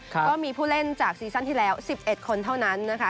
ก็มีผู้เล่นจากซีซั่นที่แล้ว๑๑คนเท่านั้นนะคะ